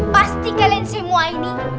pasti kalian semua ini